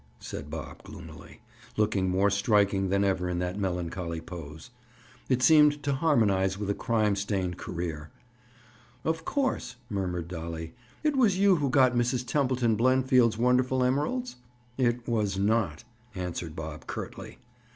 said Bob gloomily, looking more striking than ever in that melancholy pose. It seemed to harmonize with a crime stained career. "Of course," murmured Dolly, "it was you who got Mrs. Templeton Blenfield's wonderful emeralds?" "It was not," answered Bob curtly.